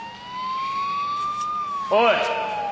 おい！